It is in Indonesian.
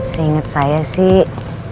seinget saya sih